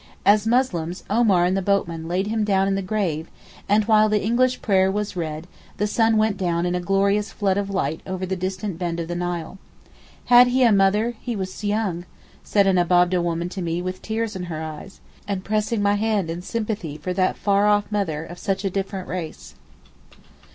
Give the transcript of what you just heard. As Muslims, Omar and the boatmen laid him down in the grave, and while the English prayer was read the sun went down in a glorious flood of light over the distant bend of the Nile. 'Had he a mother, he was young?' said an Abab'deh woman to me with tears in her eyes and pressing my hand in sympathy for that far off mother of such a different race.